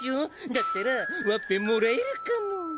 だったらワッペンもらえるかも。